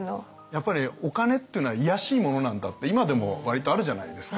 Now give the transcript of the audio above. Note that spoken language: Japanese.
やっぱりお金っていうのは卑しいものなんだって今でも割とあるじゃないですか。